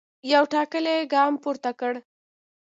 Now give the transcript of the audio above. یو ټاکلی ګام پورته کړ.